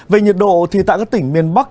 về nhiệt độ thì tại các tỉnh miền bắc